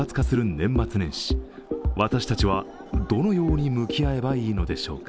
年末年始私たちは、どのように向き合えばいいのでしょうか。